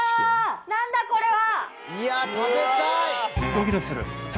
何だこれは！